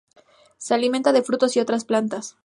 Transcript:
Se alimentan de frutos y otras plantas.